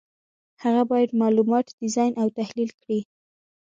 هغه باید معلومات ډیزاین او تحلیل کړي.